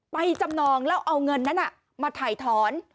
จำนองแล้วเอาเงินนั้นมาถ่ายถอน